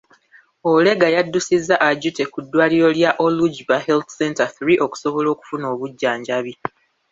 Olega yaddusizza Ajute ku ddwaliro lya Olujbo Health center III okusobola okufuna obujjanjabi.